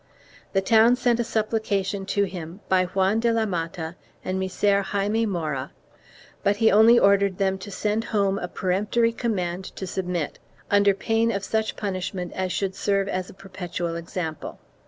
The town sent a supplication to him by Juan de la Mata and Micer Jaime Mora, but he only ordered them to send home a peremptory command to submit, under pain of such punishment as should serve as a perpetual example.